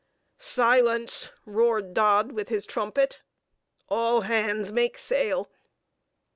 "Silence!" roared Dodd, with his trumpet. "All hands make sail!"